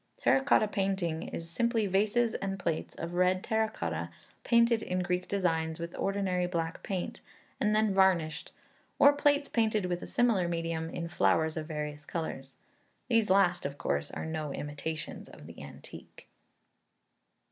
Terra Cotta painting is simply vases and plates of red terra cotta, painted in Greek designs with ordinary black paint, and then varnished, or plates painted with a similar medium, in flowers of various colours. These last, of course, are no imitations of the antique.